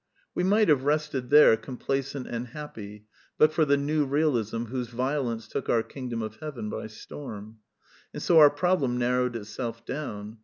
We might have rested there, complacent and happy, but for the New Realism whose violence took our kingdom of heaven by storm. And so our problem narrowed itself down.